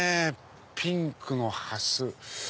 ピンクのハス。